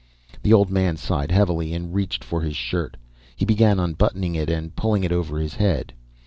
The old man sighed heavily and reached for his shirt. He began unbuttoning it and pulling it over his head.